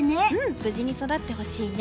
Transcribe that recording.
無事に育ってほしいね。